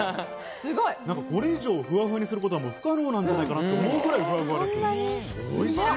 すごい！これ以上ふわふわにすることは不可能なんじゃないかと思うくらい、ふわふわです。